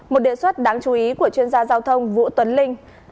một đề xuất đáng chú ý của chuyên gia giao thông vũ tuấn linh